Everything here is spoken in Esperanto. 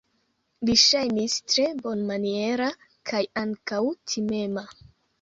Li ŝajnis tre bonmaniera kaj ankaŭ timema.